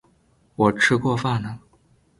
我吃过饭了